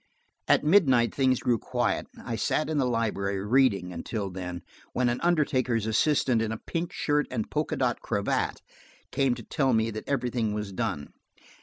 At midnight things grew quiet. I sat in the library, reading, until then, when an undertaker's assistant in a pink shirt and polka dot cravat came to tell me that everything was done.